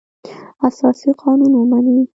اساسي قانون ومني.